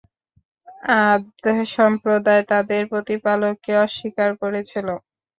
আদ সম্প্রদায় তাদের প্রতিপালককে অস্বীকার করেছিল।